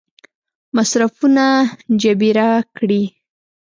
مصرفونه جبیره کړي.